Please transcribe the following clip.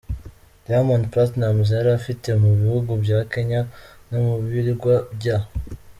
Diamond Platnumz yari afite mu bihugu bya Kenya no mu birwa bya